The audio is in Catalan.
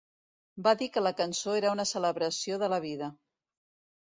Va dir que la cançó era una celebració de la vida.